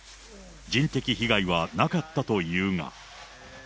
人的被害はなかったというが。